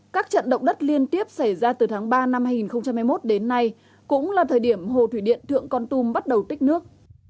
các trận động đất liên tiếp xảy ra từ tháng ba năm hai nghìn hai mươi một đến nay cũng là thời điểm hồ thủy điện thượng con tum bắt đầu tích nước